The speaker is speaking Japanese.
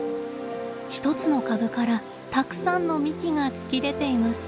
１つの株からたくさんの幹が突き出ています。